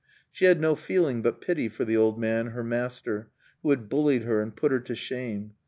She had no feeling but pity for the old man, her master, who had bullied her and put her to shame.